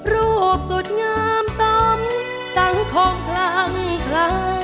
รูปสุดงามต้องสั่งของครั้งใคร